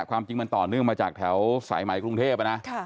ความจริงมันต่อเนื่องมาจากแถวสายใหม่กรุงเทพนะ